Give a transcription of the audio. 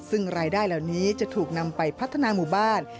ซึ่งรายได้เหล่านี้จะถูกนำไปพัฒนาหมู่บ้าน